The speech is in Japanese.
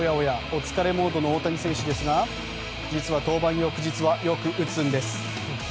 お疲れモードの大谷選手ですが実は、登板翌日はよく打つんです。